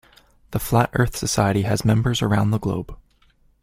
The Flat Earth Society has members around the globe.